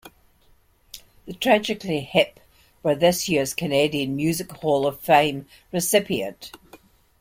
The Tragically Hip were this year's Canadian Music Hall of Fame recipient.